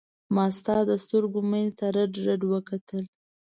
ما ستا د سترګو منځ ته رډ رډ وکتل.